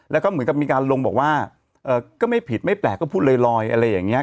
แล้วก็เหมือนกับมีการลงบอกว่าก็ไม่ผิดไม่แปลกก็พูดลอยอะไรอย่างนี้